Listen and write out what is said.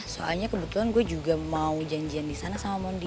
soalnya kebetulan gue juga mau janjian disana sama mondi